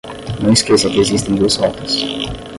Não esqueça que existem duas rotas